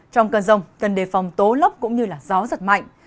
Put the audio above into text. trong cơn rông cần đề phòng tố lốc cũng như gió giật mạnh